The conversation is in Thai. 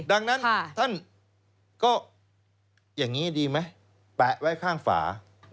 ดังนั้นท่านก็อย่างนี้ดีไหมแปะไว้ข้างฝา